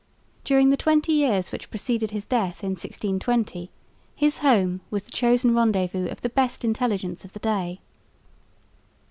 During the twenty years which preceded his death in 1620 his home was the chosen rendezvous of the best intelligence of the day.